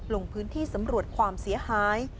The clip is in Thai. ลงพื้นที่สำรวจความเสียหาย